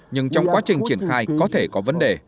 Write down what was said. nhưng trong quá trình triển khai có thể có vấn đề